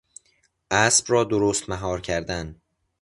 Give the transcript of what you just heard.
اسب را درست مهار کردن